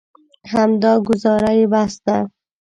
همدا ګوزاره یې بس ده.